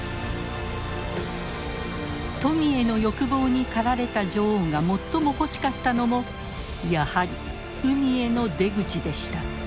富への欲望に駆られた女王が最も欲しかったのもやはり海への出口でした。